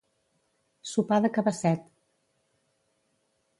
Sopar de cabasset.